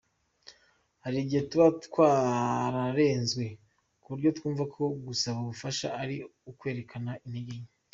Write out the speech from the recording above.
Hari igihe tuba twararezwe kuburyo twumva ko gusaba ubufasha ari ukwerekana intege nke .